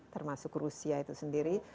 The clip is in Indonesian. termasuk rusia itu sendiri